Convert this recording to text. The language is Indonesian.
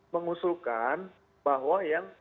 mengusulkan bahwa yang